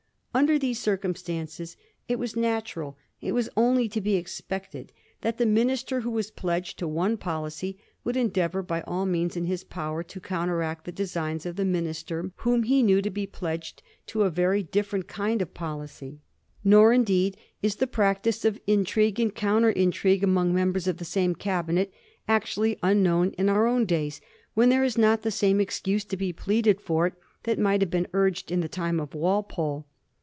Under these circumstances it was natural, it was only to be expected, that the minister who was pledged to one policy would endeavour by all means in his power to counteract the designs of the minister whom he knew to be pledged to a very different kind of policy. Nor, indeed, is the practice of intrigue and counter intrigue among members of the same cabinet actually unknown in our own days, when there is not the same excuse to be pleaded for it that might have been urged in the time of Walpole.